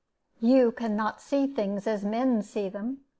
"You can not see things as men see them.